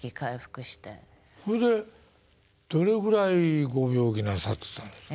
ほいでどれぐらいご病気なさってたんですか？